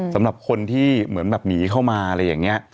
สำหรับคนที่เหมือนแบบหนีเข้ามาอะไรอย่างนี้